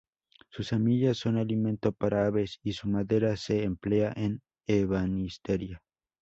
Sus semillas son alimento para aves, y su madera se emplea en ebanistería.